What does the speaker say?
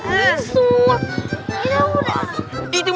kan buat obat bisul